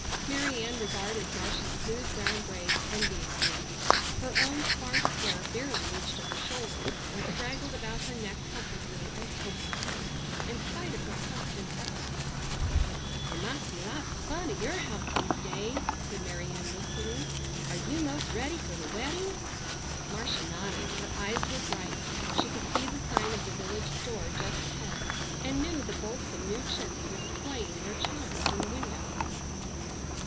Mary Ann regarded Marcia's smooth brown braids enviously. Her own sparse hair barely reached to her shoulders, and straggled about her neck helplessly and hopelessly, in spite of her constant efforts. "It must be lots of fun at your house these days," said Mary Ann wistfully. "Are you most ready for the wedding?" Marcia nodded. Her eyes were bright. She could see the sign of the village store just ahead and knew the bolts of new chintz were displaying their charms in the window.